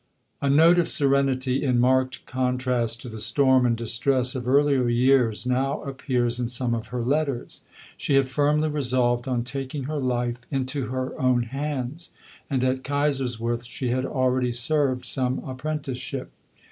A note of serenity, in marked contrast to the storm and distress of earlier years, now appears in some of her letters. She had firmly resolved on taking her life into her own hands; and at Kaiserswerth she had already served some apprenticeship.